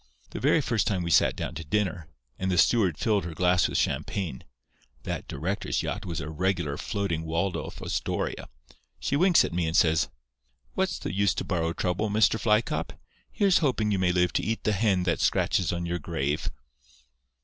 The very first time we sat down to dinner, and the steward filled her glass with champagne—that director's yacht was a regular floating Waldorf Astoria—she winks at me and says, 'What's the use to borrow trouble, Mr. Fly Cop? Here's hoping you may live to eat the hen that scratches on your grave.